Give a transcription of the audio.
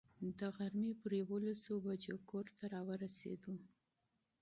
د غرمې پر یوولسو بجو کور ته را ورسېدو.